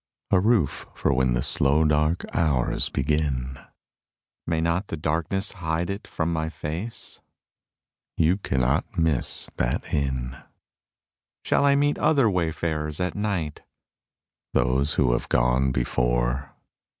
A roof for when the slow dark hours begin. May not the darkness hide it from my face? You cannot miss that inn. Shall I meet other wayfarers at night? Those who have gone before.